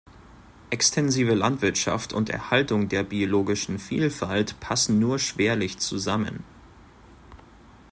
Extensive Landwirtschaft und Erhaltung der biologischen Vielfalt passen nur schwerlich zusammen.